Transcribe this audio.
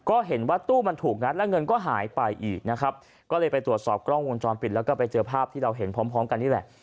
ก็เห็นว่าตู้มันถูกงัดแล้วเงินก็หายไปอีกนะครับก็เลยไปตรวจสอบกล้องวงจรปิดแล้วก็ไปเจอภาพที่เราเห็นพร้อมพร้อมกันนี่แหละ